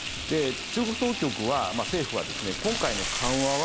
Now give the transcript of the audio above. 中国当局は、政府は今回の緩和は